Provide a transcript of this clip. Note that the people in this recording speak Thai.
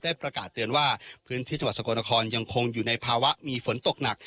ประกาศเตือนว่าพื้นที่จังหวัดสกลนครยังคงอยู่ในภาวะมีฝนตกหนัก